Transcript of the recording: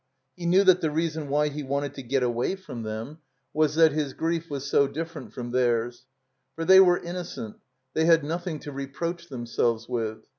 He knew that the reason why he wanted to get away from them was that his grief was so different from theirs. For they were innocent; they had nothing to re proach themselves with.